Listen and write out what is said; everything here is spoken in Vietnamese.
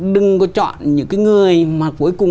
đừng có chọn những cái người mà cuối cùng